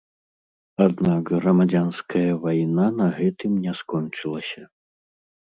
Аднак грамадзянская вайна на гэтым не скончылася.